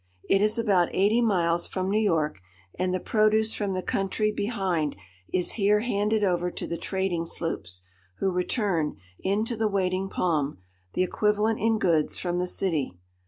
It is about eighty miles from New York, and the produce from the country behind is here handed over to the trading sloops, who return, into the waiting palm, the equivalent in goods from the city.